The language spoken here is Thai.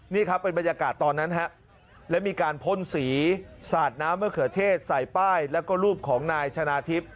นี่ครับเป็นบรรยากาศตอนนั้นและมีการพ่นสีสาดน้ำมะเขือเทศใส่ป้ายแล้วก็รูปของนายชนะทิพย์